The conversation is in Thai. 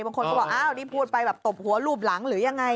บางคนก็บอกอ้าวนี่พูดไปแบบตบหัวรูปหลังหรือยังไง